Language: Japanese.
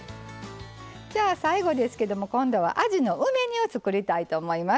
じゃあ最後ですけども今度はあじの梅煮を作りたいと思います。